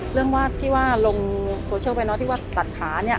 ว่าที่ว่าลงโซเชียลไปเนาะที่ว่าตัดขาเนี่ย